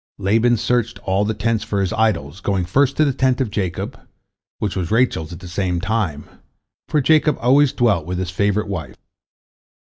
'" Laban searched all the tents for his idols, going first to the tent of Jacob, which was Rachel's at the same time, for Jacob always dwelt with his favorite wife.